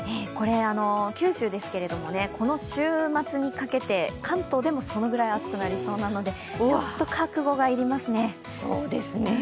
九州ですけれどもこの週末にかけて関東でもそのぐらい暑くなりそうなのでちょっと覚悟がいりますね。